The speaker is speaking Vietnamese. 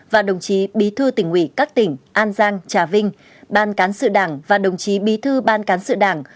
và đồng chí bí thư tỉnh ủy các tỉnh an giang trà vinh ban cán sự đảng và đồng chí bí thư ban cán sự đảng